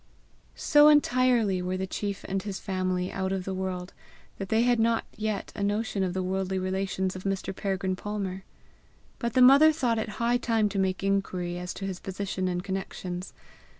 So entirely were the chief and his family out of the world, that they had not yet a notion of the worldly relations of Mr. Peregrine Palmer. But the mother thought it high time to make inquiry as to his position and connections.